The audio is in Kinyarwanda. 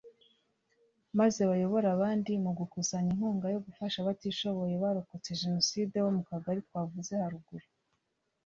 maze bayobore abandi mu gukusanya inkunga yo gufasha abatishoboye barokotse Jenoside bo mu Kagali twavuze haruguru